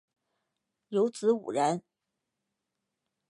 有子五人